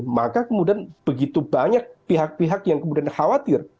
maka kemudian begitu banyak pihak pihak yang kemudian khawatir